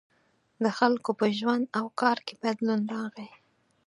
• د خلکو په ژوند او کار کې بدلون راغی.